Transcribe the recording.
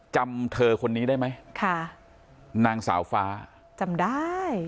จำเธอคนนี้ได้ไหมค่ะนางสาวฟ้าจำได้